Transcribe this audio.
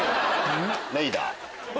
レイダー！